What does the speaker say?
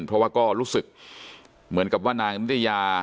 เพราะว่าก็รู้สึกเหมือนกับว่านางนิตยา